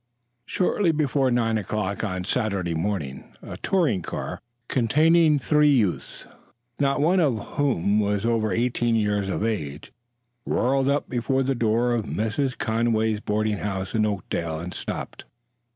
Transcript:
Shortly before nine o'clock on Saturday morning a touring car, containing three youths, not one of whom was over eighteen years of age, whirled up before the door of Mrs. Conway's boarding house in Oakdale and stopped.